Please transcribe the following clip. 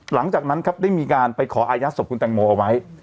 หลังจากนั้นครับได้มีการไปขออายัดศพคุณแตงโมเอาไว้